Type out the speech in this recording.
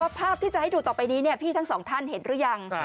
ภาพที่จะให้ดูต่อไปนี้พี่ทั้งสองท่านเห็นหรือยัง